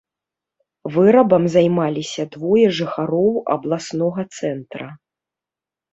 Вырабам займаліся двое жыхароў абласнога цэнтра.